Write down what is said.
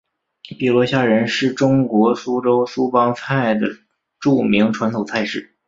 碧螺虾仁是中国苏州苏帮菜的著名传统菜式。